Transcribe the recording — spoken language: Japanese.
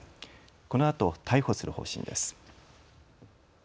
このあと逮捕する方針です。